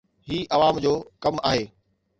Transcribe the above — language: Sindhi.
هي عوام جو ڪم آهي